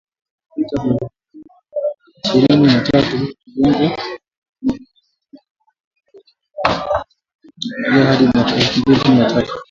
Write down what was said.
Vita vya Vuguvugu la Ishirini na tatu vilianza mwaka elfu mbili kumi na mbili na kuendelea hadi mwaka elfu mbili kumi na tatu